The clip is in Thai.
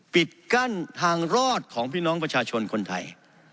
ปิดกั้นทางรอดของพี่น้องประชาชนคนไทย